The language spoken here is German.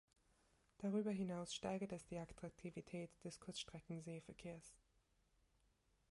Darüber hinaus steigert es die Attraktivität des Kurzstreckenseeverkehrs.